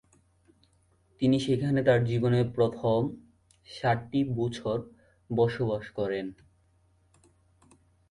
তিনি সেখানে তার জীবনের প্রথম সাত বছর বসবাস করেন।